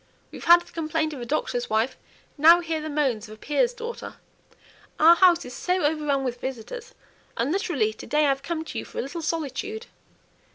We've had the complaint of a doctor's wife, now hear the moans of a peer's daughter. Our house is so overrun with visitors! and literally to day I have come to you for a little solitude."